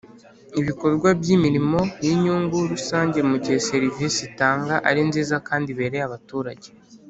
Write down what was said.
ibikorwa by’ imirimo y inyungu rusange mu gihe serivisi itanga ari nziza kandi ibereye abaturage